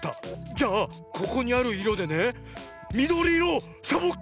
じゃあここにあるいろでねみどりいろをサボッ